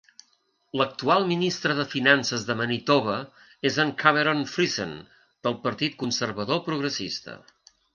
L'actual ministre de Finances de Manitoba és en Cameron Friesen, del partit Conservador-Progressista.